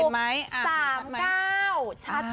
เห้ยมันเห็นอะไรไหม